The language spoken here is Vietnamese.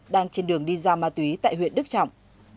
đang trên đường đi giao ma túy tại huyện đức trọng